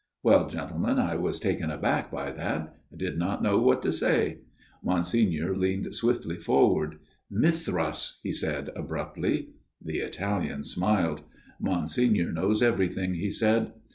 " Well, gentlemen, I was taken aback by that. I did not know what to say." Monsignor leaned swiftly forward. " Mithras," he said abruptly. The Italian smiled. " Monsignor knows everything," he said.